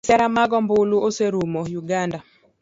Kisera mag ombulu oserumo uganda